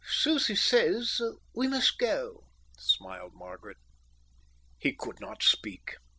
"Susie says we must go," smiled Margaret. He could not speak.